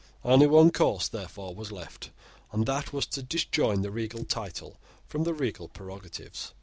Only one course, therefore, was left: and that was to disjoin the regal title from the regal prerogatives.